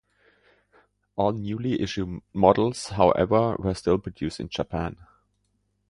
All newly issued models, however, were still produced in Japan.